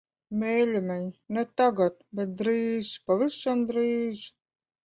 Mīļumiņ, ne tagad. Bet drīz, pavisam drīz.